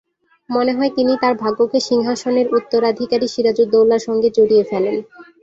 মনে হয় তিনি তার ভাগ্যকে সিংহাসনের উত্তরাধিকারী সিরাজউদ্দৌলার সঙ্গে জড়িয়ে ফেলেন।